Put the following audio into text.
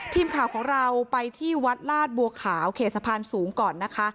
ทีมข่าวของเราไปที่วัดลาดบัวขาวเขตสะพานสูงก่อนนะคะ